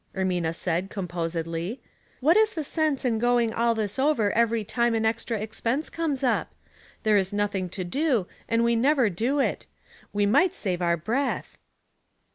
Ermina said, composedly. " What is the sense in going all this over every time an extra expense comes up? There is nothing to do, and we never do it. We might save our breath."